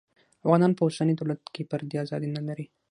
افغانان په اوسني دولت کې فردي ازادي نلري